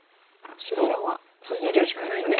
白は逃げるしかないですね。